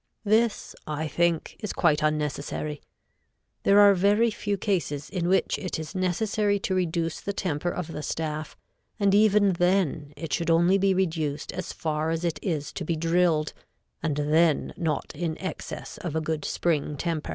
This, I think, is quite unnecessary. There are very few cases in which it is necessary to reduce the temper of the staff, and even then it should only be reduced as far as it is to be drilled, and then not in excess of a good spring temper.